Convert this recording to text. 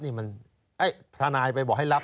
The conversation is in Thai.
เอ๊ะถ้านายไปบอกให้รับ